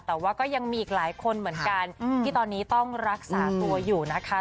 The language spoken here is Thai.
แต่ว่าก็ยังมีอีกหลายคนเหมือนกันที่ตอนนี้ต้องรักษาตัวอยู่นะคะ